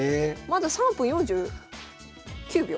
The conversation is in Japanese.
まだ３分４９秒。